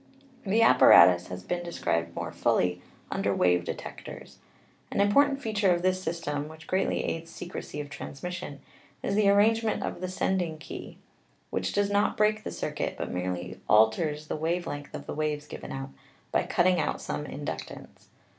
The apparatus has been described more fully under wave detectors. An impor tant feature of this system, which greatly aids secrecy of transmission, is the arrangement of the sending key, which does not break the circuit, but merely alters the wave length of the waves given out, by cutting out some inductance.